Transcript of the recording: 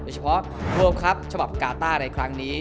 โดยเฉพาะโรครับฉบับกาต้าในครั้งนี้